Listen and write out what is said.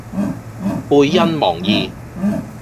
背恩忘義